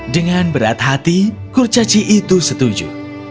dengan berat hati kurcaci itu setuju